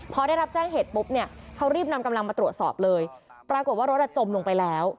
พอได้รับแจ้งเหตุปุ๊บเนี่ยเขารีบนำกำลังมาตรวจสอบเลยปรากฏว่ารถอ่ะจมลงไปแล้ว